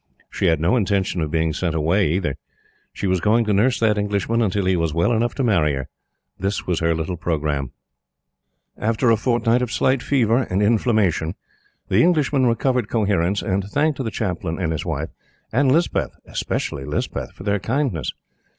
She had no intention of being sent away, either. She was going to nurse that Englishman until he was well enough to marry her. This was her little programme. After a fortnight of slight fever and inflammation, the Englishman recovered coherence and thanked the Chaplain and his wife, and Lispeth especially Lispeth for their kindness.